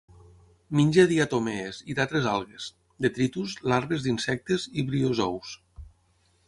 Menja diatomees i d'altres algues, detritus, larves d'insectes i briozous.